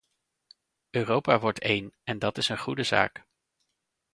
Europa wordt één, en dat is een goede zaak.